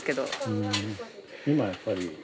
今やっぱり。